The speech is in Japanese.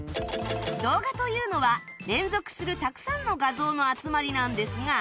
動画というのは連続するたくさんの画像の集まりなんですが